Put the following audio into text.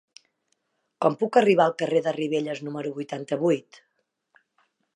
Com puc arribar al carrer de Ribelles número vuitanta-vuit?